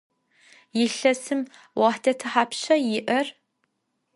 Yilhesım voxhte thapşşa yi'er?